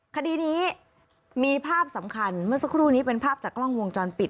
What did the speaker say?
คดีนี้มีภาพสำคัญเมื่อสักครู่นี้เป็นภาพจากกล้องวงจรปิด